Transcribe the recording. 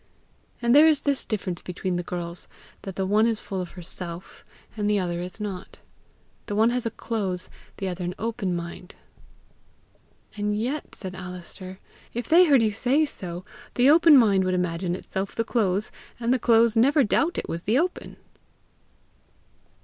And there is this difference between the girls, that the one is full of herself, and the other is not. The one has a close, the other an open mind." "And yet," said Alister, "if they heard you say so, the open mind would imagine itself the close, and the close never doubt it was the open!"